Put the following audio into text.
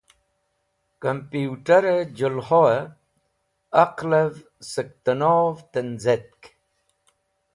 Kampuwtẽrẽ jẽlhoẽ aqẽlẽv sek tẽnov tẽnzetk